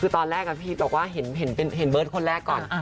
คือตอนแรกพี่บอกว่าเห็นเบิร์ตคนแรกก่อน